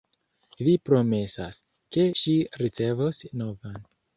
Vi promesas, ke ŝi ricevos novan.